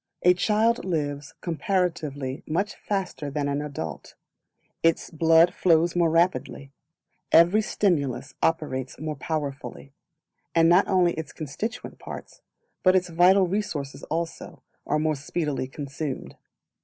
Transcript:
A Child lives comparatively much faster than an adult; its blood flows more rapidly; every stimulus operates more powerfully; and not only its constituent parts, but its vital resources also, are more speedily consumed.